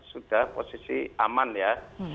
sudah posisi aman ya